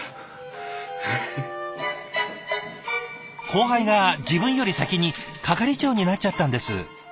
後輩が自分より先に係長になっちゃったんです。